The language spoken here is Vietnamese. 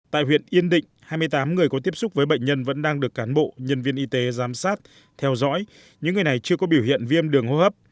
tại huyện yên định hai mươi tám người có tiếp xúc với bệnh nhân vẫn đang được cán bộ nhân viên y tế giám sát theo dõi những người này chưa có biểu hiện viêm đường hô hấp